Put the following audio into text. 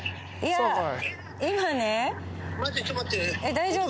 大丈夫？